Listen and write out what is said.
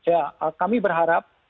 ya kami berharap